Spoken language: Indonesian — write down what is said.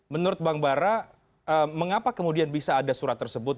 menurut bang bara mengapa kemudian bisa ada surat tersebut